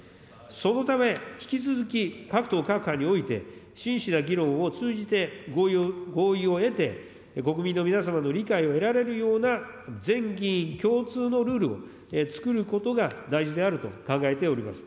そのため、引き続き各党、各派において真摯な議論を通じて合意を得て、国民の皆様の理解を得られるような全議員共通のルールを作ることが大事であると考えております。